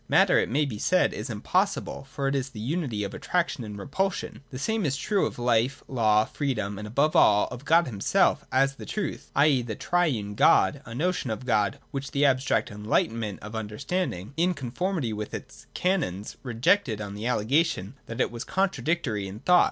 Matter, it may be said, is impossible : for it is the unity of attraction and repulsion. The same is true of life, law, freedom, and above all, of God himself, as the true, ;. e. the triune God, — a notion of God, which the abstract 'Enlightenment' of Understanding, in conformity with its canons, rejected on the allegation that it was contradictory in thought.